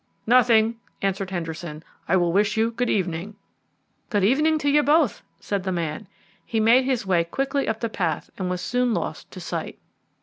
"Nothing," answered Henderson; "I will wish you good evening." "Good evening to you both," said the man. He made his way quickly up the path and was soon lost to sight.